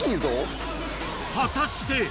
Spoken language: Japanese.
果たして。